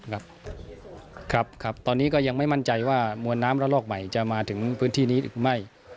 ครับครับตอนนี้ก็ยังไม่มั่นใจว่ามวลน้ำระลอกใหม่จะมาถึงพื้นที่นี้หรือไม่